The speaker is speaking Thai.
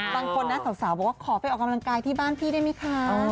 บางคนนะสาวบอกว่าขอไปออกกำลังกายที่บ้านพี่ได้ไหมคะ